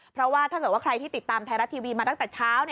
เพราะว่าถ้าเกิดว่าใครที่ติดตามไทยรัฐทีวีมาตั้งแต่เช้า